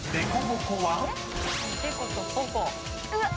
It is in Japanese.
うわっ！